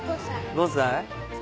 ５歳。